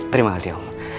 terima kasih om